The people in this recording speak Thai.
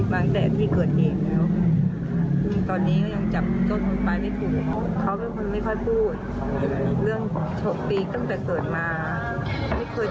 ไม่เคยมีประวัติทีกับใครไม่ปกติดีใจเขาเป็นคนโฟน